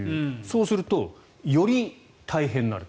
そうするとより大変になると。